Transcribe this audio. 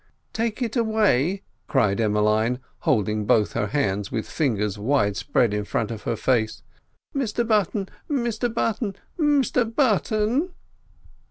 "Take it away!" cried Emmeline, holding both hands with fingers widespread in front of her face. "Mr Button! Mr Button! Mr Button!"